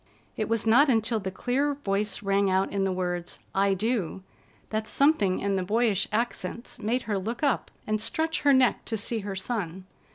It was not until the clear voice rang out in the words, "I do," that something in the boyish accents made her look up and stretch her neck to see her son.